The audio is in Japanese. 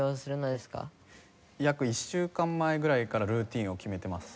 約１週間前ぐらいからルーティンを決めてます